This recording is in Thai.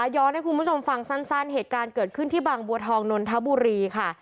ให้คุณผู้ชมฟังสั้นเหตุการณ์เกิดขึ้นที่บางบัวทองนนทบุรีค่ะ